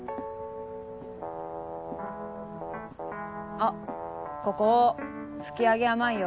あっここ拭き上げ甘いよ。